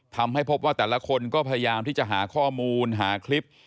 ทำให้พบว่าแต่ละคนก็พยายามที่จะหาข้อมูลหาคลิป